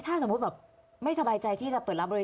ถ้าสมมุติแบบไม่สบายใจที่จะเปิดรับบริ